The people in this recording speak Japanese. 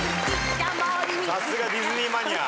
さすがディズニーマニア。